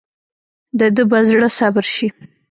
دده به زړه صبر شي.